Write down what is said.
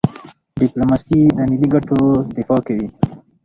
ډيپلوماسي د ملي ګټو دفاع کوي.